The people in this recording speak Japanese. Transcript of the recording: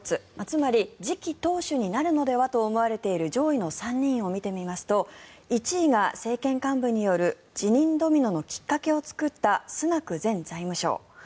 つまり、次期党首になるのではと思われている上位の３人を見てみますと１位が政権幹部による辞任ドミノのきっかけを作ったスナク前財務相。